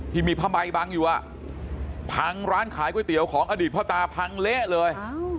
ที่มีผ้าใบบังอยู่พังร้านขายก๋วยเตี๋ยวของอดีตพ่อตาพังเละเลย